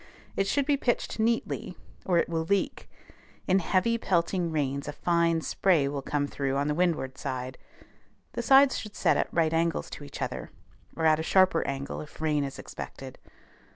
It should be pitched neatly, or it will leak. In heavy, pelting rains a fine spray will come through on the windward side. The sides should set at right angles to each other, or at a sharper angle if rain is expected.